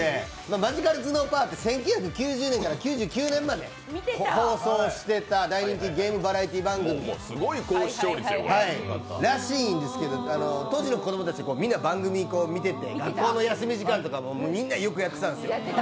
「マジカル頭脳パワー！！」って１９９０年から１９９９年まで放送していた大人気ゲームバラエティー番組らしいんですけど、当時の子供たち、みんな番組見てて学校の休み時間とかにみんなよくやってたんですよ。